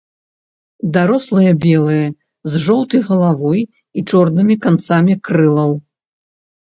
Дарослыя белыя, з жоўтай галавой і чорнымі канцамі крылаў.